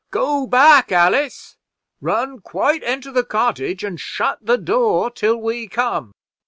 Go back, Alice, run quite into the cottage, and shut the door till we come."